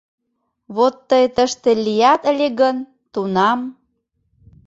Вот тый тыште лият ыле гын, тунам...»